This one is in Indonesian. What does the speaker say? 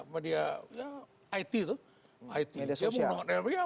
media it itu